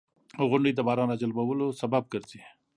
• غونډۍ د باران راجلبولو سبب ګرځي.